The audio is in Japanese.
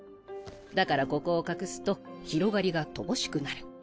だからここを隠すと広がりが乏しくなる。